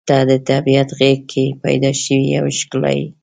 • ته د طبیعت غېږ کې پیدا شوې یوه ښکلا یې.